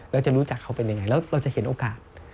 เราจะรู้จักเขาเป็นยังไงแล้วเราจะเห็นโอกาส